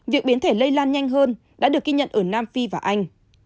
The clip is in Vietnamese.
việc biến thể lây lan nhanh hơn đã được ghi nhận ở nam phi và anh